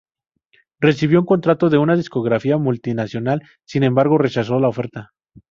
Recibió un contrato de una discográfica multinacional, sin embargo, rechazó la oferta.